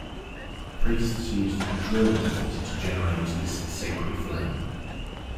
Priests used a drill method to generate this sacred flame.